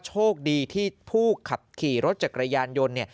โชคดีที่ผู้ขับขี่รถจักรยานยนต์เนี่ย